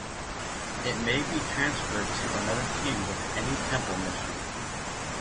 It may be transferred to another team with any temple mission.